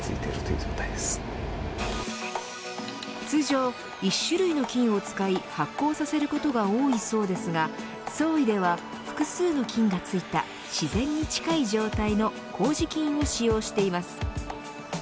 通常、１種類の菌を使い発酵させることが多いそうですがソーイでは複数の菌がついた自然に近い状態のこうじ菌を使用しています。